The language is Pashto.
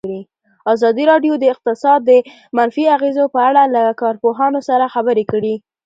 ازادي راډیو د اقتصاد د منفي اغېزو په اړه له کارپوهانو سره خبرې کړي.